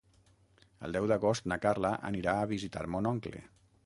El deu d'agost na Carla anirà a visitar mon oncle.